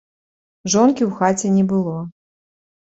Жонкі ў хаце не было.